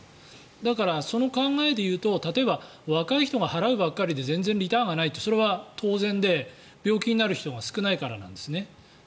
だから、その考えでいうと例えば若い人が払うばっかりで全然リターンがないのはそれは当然で病気になる人が少ないからなんですね。